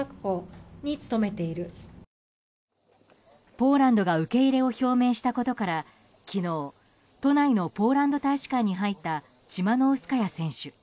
ポーランドが受け入れを表明したことから昨日、都内のポーランド大使館に入ったチマノウスカヤ選手。